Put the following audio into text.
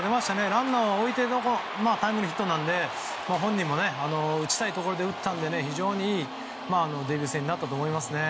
ランナーを置いてのタイムリーヒットなので本人も打ちたいところで打てたので非常にいいデビュー戦になったと思いますね。